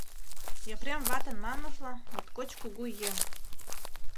Епрем ватын манмыжла, моткоч кугу еҥ.